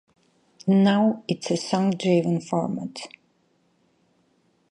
Now, it's a song-driven format.